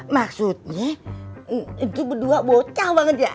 maksudnya itu berdua bocah banget ya